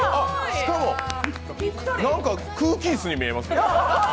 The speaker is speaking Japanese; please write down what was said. しかも空気椅子に見えますね。